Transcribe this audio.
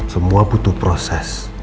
semua butuh proses